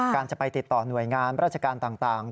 การจะไปติดต่อหน่วยงานราชการต่าง